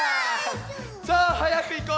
さあはやくいこう！